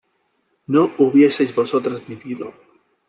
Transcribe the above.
¿no hubieseis vosotras vivido?